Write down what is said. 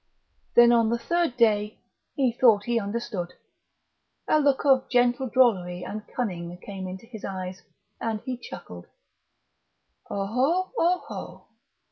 Then on the third day he thought he understood. A look of gentle drollery and cunning came into his eyes, and he chuckled. "Oho, oho!...